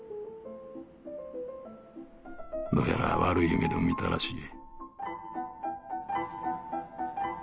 「どうやら悪い夢でも見たらしい」。